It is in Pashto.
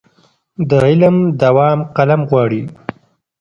د علم دوام قلم غواړي.